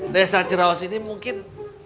desa ciraos ini mungkin